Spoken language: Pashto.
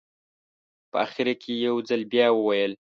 په اخره کې یې یو ځل بیا وویل.